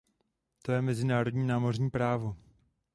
To je mezinárodní námořní právo.